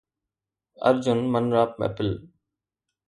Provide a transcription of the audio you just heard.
ارجن من را ميپل